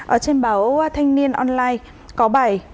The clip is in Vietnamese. ở trên báo thanh niên online có bài